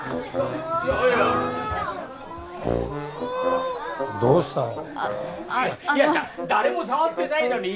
ねえどうしたの？